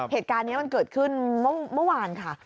เหตุการณ์นี้มันเกิดขึ้นเมื่อวานค่ะ